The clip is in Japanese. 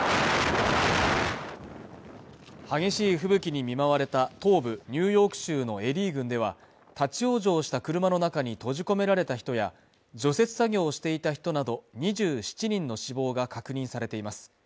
激しい吹雪に見舞われた東部ニューヨーク州のエリー郡では立ち往生した車の中に閉じ込められた人や除雪作業をしていた人など２７人の死亡が確認されています